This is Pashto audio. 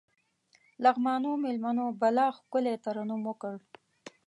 لغمانيو مېلمنو بلا ښکلی ترنم وکړ.